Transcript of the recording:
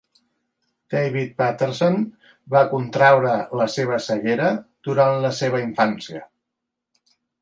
David Paterson va contraure la seva ceguera durant la seva infància.